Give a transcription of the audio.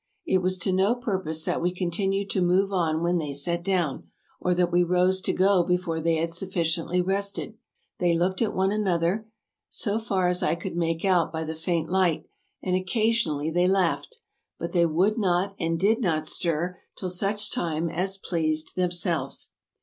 It was to no purpose that we continued to move on when they sat down, or that we rose to go before they had sufficiently rested. They looked at one another, so far as I could make out by the faint light, and occasion ally they laughed ; but they would not and did not stir till 274 ASIA 275 such time as pleased themselves.